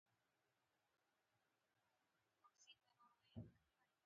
کورونه د طبیعي پیښو په وړاندې ډیر مقاومت او ټینګښت نه لري.